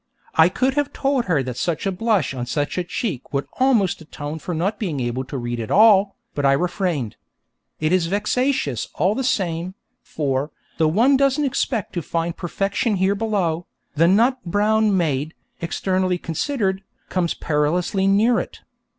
I could have told her that such a blush on such a cheek would almost atone for not being able to read at all, but I refrained. It is vexatious all the same, for, though one doesn't expect to find perfection here below, the 'nut brown mayde,' externally considered, comes perilously near it.